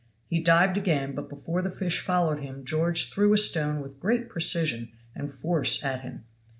He dived again, but before the fish followed him George threw a stone with great precision and force at him.